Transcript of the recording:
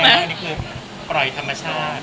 ก็คือปล่อยธรรมชาติ